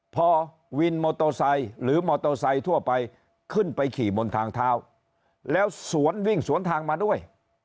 พอวินมอเตอร์ไซค์หรือมอเตอร์ไซค์ทั่วไปขึ้นไปขี่บนทางเท้าแล้วสวนวิ่งสวนทางมาด้วย